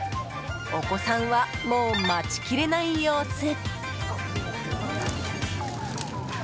お子さんはもう待ちきれない様子。